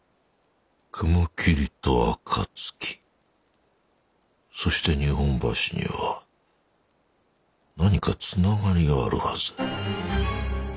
雲霧と暁そして日本橋には何かつながりがあるはず。